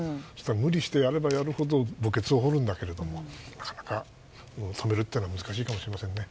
無理してやればやるほど墓穴を掘るんだけどもなかなか、止めるというのは難しいかもしれないですね。